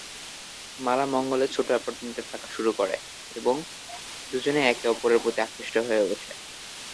মালা মঙ্গলের ছোট অ্যাপার্টমেন্টে থাকতে শুরু করে এবং দুজনেই একে অপরের প্রতি আকৃষ্ট হয়ে ওঠে।